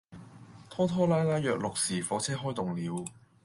拖拖拉拉約六時火車開動了